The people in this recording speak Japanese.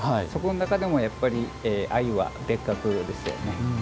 そこの中でもやっぱり鮎は別格ですよね。